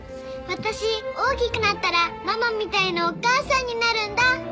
私大きくなったらママみたいなお母さんになるんだ。